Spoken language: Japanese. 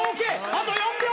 あと４秒！